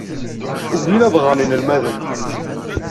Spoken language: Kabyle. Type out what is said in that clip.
Ugin ad ɣren yinelmaden.